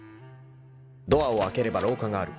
［ドアを開ければ廊下がある］